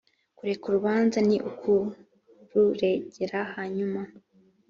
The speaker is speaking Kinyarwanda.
kureka urubanza ni ukururegera hanyuma